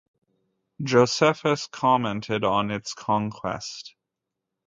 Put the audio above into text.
Josephus commented on its conquest.